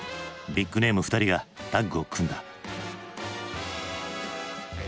ビッグネーム２人がタッグを組んだ。